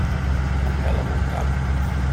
Nem kell a munkám.